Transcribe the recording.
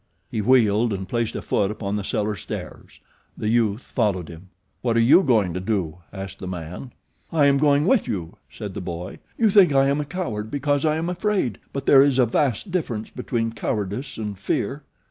He wheeled and placed a foot upon the cellar stairs. The youth followed him. "What are you going to do?" asked the man. "I am going with you," said the boy. "You think I am a coward because I am afraid; but there is a vast difference between cowardice and fear."